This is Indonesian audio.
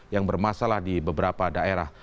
yang bermasalah di beberapa daerah